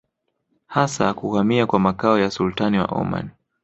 Hasa kuhamia kwa makao ya Sultani wa Omani